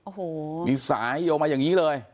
โอ้โหมีสายโยงมาอย่างนี้เลย